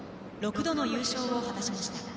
６度の優勝を果たしました。